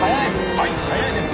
はい速いです。